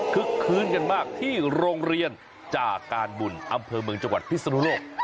คืนกันมากที่โรงเรียนจากการบุญอำเภอเมืองจังหวัดพิศนุโลก